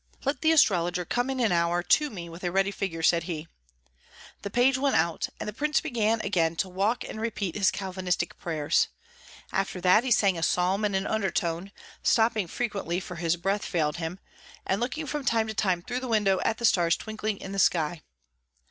"Let the astrologer come in an hour to me with a ready figure," said he. The page went out, and the prince began again to walk and repeat his Calvinistic prayers. After that he sang a psalm in an undertone, stopping frequently, for his breath failed him, and looking from time to time through the window at the stars twinkling in the sky.